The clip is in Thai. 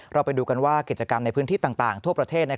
เราไปดูกันว่ากิจกรรมในพื้นที่ต่างทั่วประเทศ